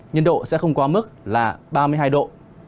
nhiệt độ sẽ không quá mức là ba mươi hai độ